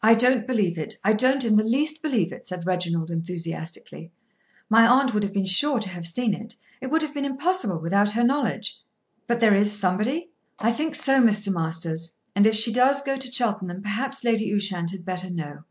"I don't believe it. I don't in the least believe it," said Reginald enthusiastically. "My aunt would have been sure to have seen it. It would have been impossible without her knowledge. But there is somebody?" "I think so, Mr. Morton; and if she does go to Cheltenham perhaps Lady Ushant had better know."